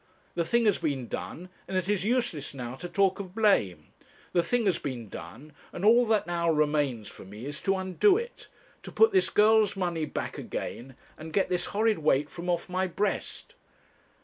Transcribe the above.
The thing has been done, and it is useless now to talk of blame. The thing has been done, and all that now remains for me is to undo it; to put this girl's money back again, and get this horrid weight from off my breast.'